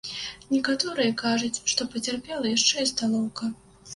Некаторыя кажуць, што пацярпела яшчэ і сталоўка.